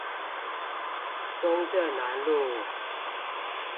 中正南路